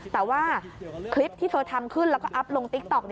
แต่ว่าคลิปที่เธอทำขึ้นแล้วก็อัพลงติ๊กต๊อก